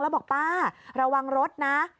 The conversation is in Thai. แล้วบอกป้าระวังรถนะ